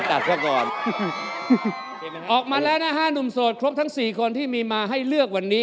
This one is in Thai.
ตัดซะก่อนออกมาแล้วนะฮะหนุ่มโสดครบทั้งสี่คนที่มีมาให้เลือกวันนี้